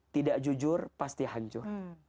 tidak jujur pasti hancur